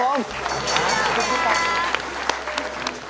ขอบคุณครับ